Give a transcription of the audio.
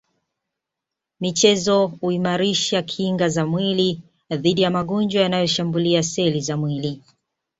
michezo huimarisha kinga za mwili dhidi ya magonjwa yanayo shambulia seli za mwili